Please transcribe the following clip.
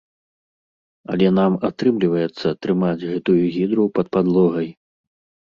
Але нам атрымліваецца трымаць гэтую гідру пад падлогай.